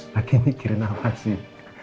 lagi mikirin apa sih